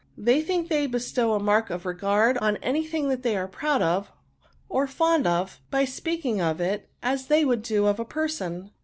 They think they bestow a mark of regard on any thing they are proud of or fond of, by speaking of it as they would do of a person.